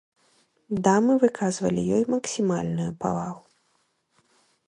Дамы выказвалі ёй максімальную павагу.